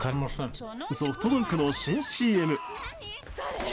ソフトバンクの新ＣＭ。